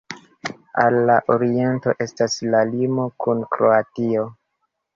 Al la oriento estas la limo kun Kroatio.